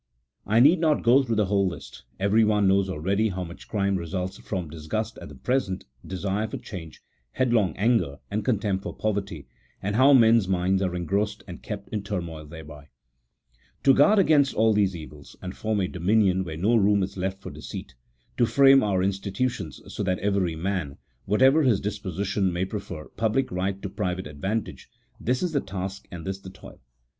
I need not go through the whole list, everyone knows already how much crime results from dis gust at the present — desire for change, headlong anger, and contempt for poverty — and how men's minds are engrossed and kept in turmoil thereby. To guard against all these evils, and form a dominion where no room is left for deceit ; to frame our institutions so that every man, whatever his disposition, may prefer public right to private advantage, this is the task and this the toil.